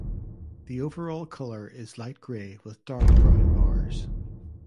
The overall colour is light grey with dark brown bars.